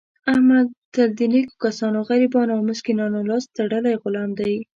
احمد تل د نېکو کسانو، غریبانو او مسکینانو لاس تړلی غلام دی.